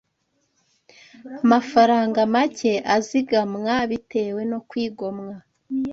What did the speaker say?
Amafaranga make azigamwa bitewe no kwigomwa